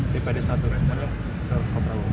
dpd satu dan kepala komunikasi